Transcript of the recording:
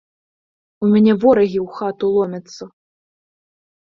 У мяне ворагі ў хату ломяцца.